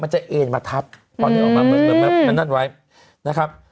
มันจะเอ็นมาทับอืมอืมอันนั้นไว้นะครับ